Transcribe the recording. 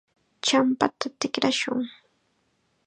champata tikrashun.